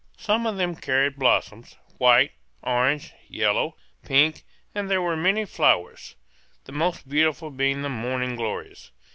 Some of them carried blossoms, white, orange, yellow, pink; and there were many flowers, the most beautiful being the morning glories.